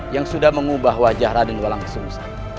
yang sudah mengubah wajah raden walang sung sang